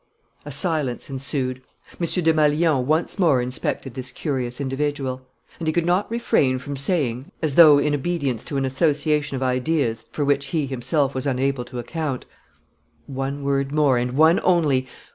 A silence ensued. M. Desmalions once more inspected this curious individual; and he could not refrain from saying, as though in obedience to an association of ideas for which he himself was unable to account: "One word more, and one only.